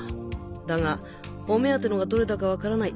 だがお目当てのがどれだか分からない。